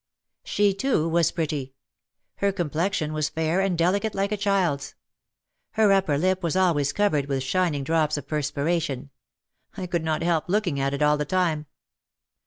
She, too, was pretty. Her complexion was fair and delicate like a child's. Her upper lip was always covered with shining drops of perspiration. I could not help look ing at it all the time.